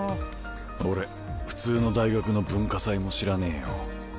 俺普通の大学の文化祭も知らねぇよ。